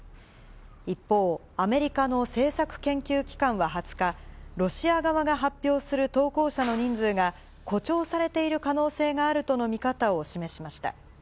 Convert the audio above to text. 一方、アメリカの政策研究機関は２０日、ロシア側が発表する投降者の人数が、誇張されている可能性があるとの見方を示しました。